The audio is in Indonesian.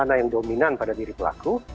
mana yang dominan pada diri pelaku